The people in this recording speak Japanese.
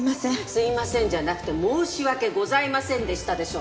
すいませんじゃなくて申し訳ございませんでしたでしょ！